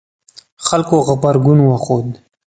خلکو غبرګون وښود